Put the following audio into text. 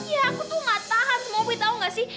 iya aku tuh nggak tahan sama opi tau nggak sih